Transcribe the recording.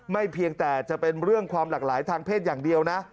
เพียงแต่จะเป็นเรื่องความหลากหลายทางเพศอย่างเดียวนะ